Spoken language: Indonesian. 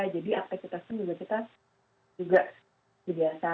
jadi aktivitasnya juga kita juga biasa